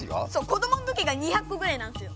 子どもの時が２００個ぐらいなんですよ。